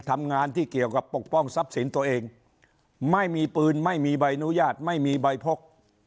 ทำงานที่เกี่ยวกับปกป้องทรัพย์สินตัวเองไม่มีปืนไม่มีใบอนุญาตไม่มีใบพก